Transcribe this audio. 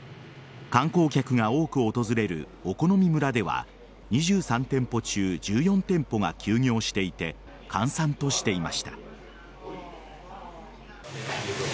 観光客が多く訪れるお好み村では２３店舗中１４店舗が休業していて閑散としていました。